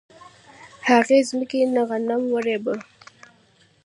هغې ځمکې نه غنم ورېبه